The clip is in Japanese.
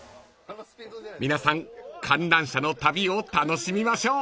［皆さん観覧車の旅を楽しみましょう］